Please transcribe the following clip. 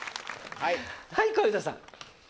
はい小遊三さん。